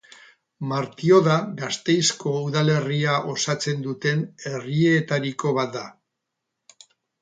Martioda Gasteizko udalerria osatzen duten herrietariko bat da.